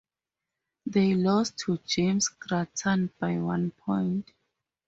They lost to James Grattan by one point.